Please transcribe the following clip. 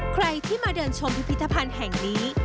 ใครที่มาเดินชมพิพิธภัณฑ์แห่งนี้